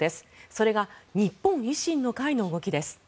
それが日本維新の会の動きです。